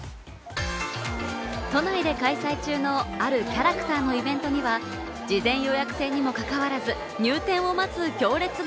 都内で開催中のあるキャラクターのイベントには、事前予約制にも関わらず入店を待つ行列が。